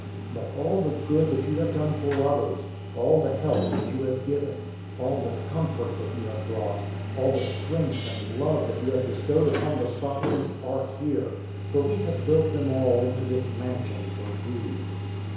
But all the good that you have done for others, all the help that you have given, all the comfort that you have brought, all the strength and love that you have bestowed upon the suffering, are here; for we have built them all into this mansion for you."